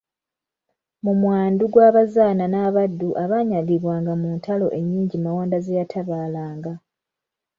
Mu mwandu gw'abazaana n'abaddu abaanyagibwanga mu ntalo ennyingi Mawanda ze yatabaalanga.